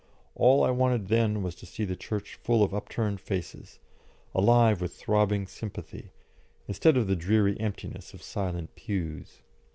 All I wanted then was to see the church full of upturned faces, alive with throbbing sympathy, instead of the dreary emptiness of silent pews.